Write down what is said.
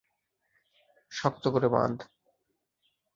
শক্ত করে বাঁধ।